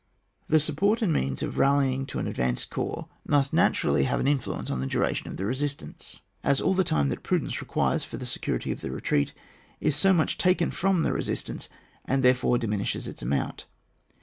The support and means of rallying afforded to an advanced corps must na turally have an influence on the duration of the resistajice, as all the time that prudence requires for the security of the retreat is so much taken from the resist* ance, and therefore diminishes its amount.